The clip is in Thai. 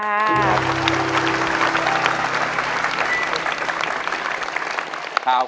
สวัสดีครับ